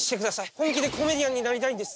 本気でコメディアンになりたいんです」